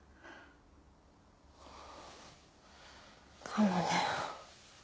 かもね。